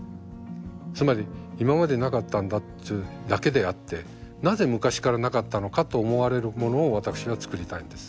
つまり今までなかったんだというだけであってなぜ昔からなかったのかと思われるものを私は作りたいんです。